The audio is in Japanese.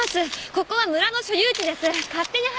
ここは村の所有地です。